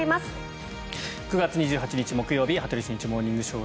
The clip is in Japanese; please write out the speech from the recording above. ９月２８日、木曜日「羽鳥慎一モーニングショー」。